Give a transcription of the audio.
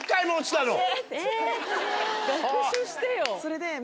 それで。